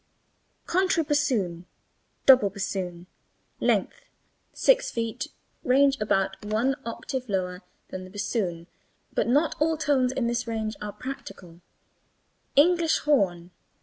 CONTRA BASSOON. (Double bassoon.) Length 6 ft. Range about an octave lower than bassoon, but not all tones in this range are practicable. ENGLISH HORN.